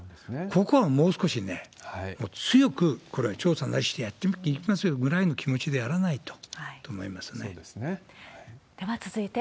ここはもう少しね、強くこれは調査してやっていきますよぐらいの気持ちでやらないとそうですよね。